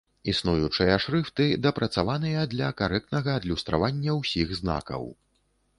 Існуючыя шрыфты дапрацаваныя для карэктнага адлюстравання ўсіх знакаў.